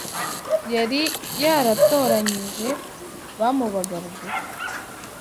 yari yaratoranyije bamubaga bugufi